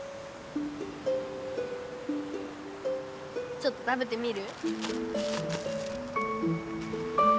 ちょっと食べてみる？